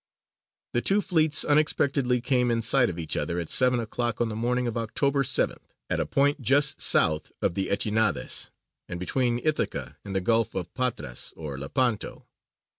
The two fleets unexpectedly came in sight of each other at seven o'clock on the morning of October 7th, at a point just south of the Echinades, and between Ithaca and the Gulf of Patras or Lepanto.